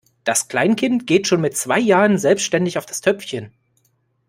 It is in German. Das Kleinkind geht schon mit zwei Jahren selbstständig auf das Töpfchen.